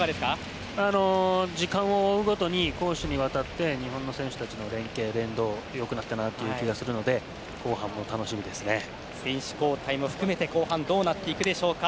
時間を追うごとに攻守にわたって日本の選手たちの連係、連動良くなってきたなという気がするので選手交代も含めて後半どうなるでしょうか。